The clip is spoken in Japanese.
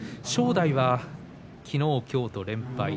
正代はきのうきょうと連敗。